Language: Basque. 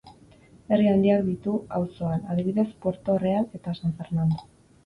Herri handiak ditu auzoan, adibidez Puerto Real eta San Fernando.